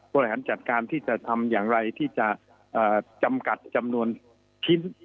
บริหารจัดการที่จะทำอย่างไรที่จะจำกัดจำนวนชิ้น